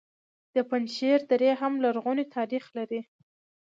د پنجشیر درې هم لرغونی تاریخ لري